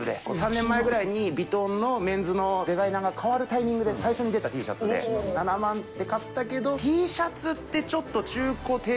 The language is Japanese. ３年前ぐらいにヴィトンのメンズのデザイナーが代わるタイミングで最初に出たＴシャツで、７万で買ったけど、Ｔシャツって、ある。